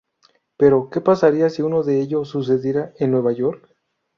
Pero ¿Que pasaría si uno de ello sucediera en Nueva York?